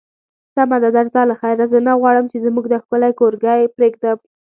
سمه ده، درځه له خیره، زه نه غواړم چې زموږ دا ښکلی کورګی پرېږدم.